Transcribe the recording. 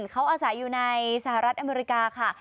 เขาอาศัยอยู่ในสหรัฐอเมริกาค่ะ